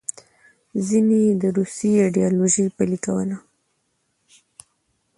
ځینې یې د روسي ایډیالوژي پلې کول.